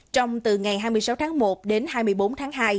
trong từ ngày hai mươi sáu tháng một đến hai mươi bốn tháng hai